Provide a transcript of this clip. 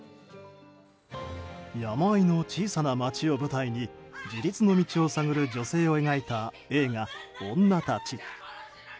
山あいの小さな町を舞台に自立の道を探る女性を描いた映画「女たち」。